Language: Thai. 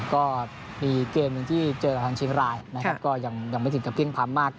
ก็มีเกมหนึ่งที่เจอหลังจากเชียงร้ายก็ยังไม่สิหนกับแค่เพียงพัมมาก